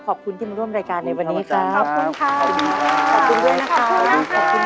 ขอบคุณที่มาร่วมรายการในวันนี้ครับขอบคุณค่ะขอบคุณด้วยนะคะขอบคุณค่ะ